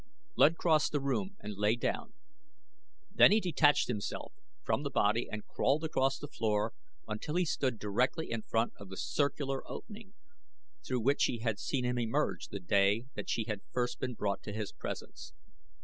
Luud crossed the room and lay down. Then he detached himself from the body and crawled across the floor until he stood directly in front of the circular opening through which she had seen him emerge the day that she had first been brought to his presence.